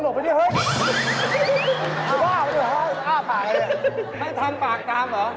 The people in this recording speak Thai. โอเคขอโทษ